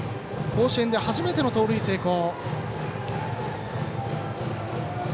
甲子園で初めての盗塁成功。